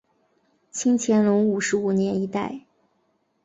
清乾隆五十五年一带。